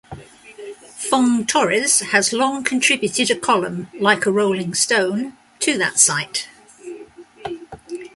Fong-Torres has long contributed a column, "Like a Rolling Stone," to that site.